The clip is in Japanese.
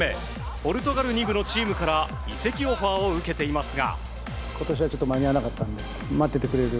ポルトガル２部のチームから移籍オファーを受けていますが。